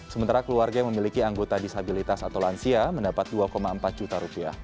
sementara keluarga yang memiliki anggota disabilitas atau lansia mendapat rp dua empat juta rupiah